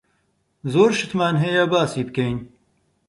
زۆر شتمان هەیە باسی بکەین.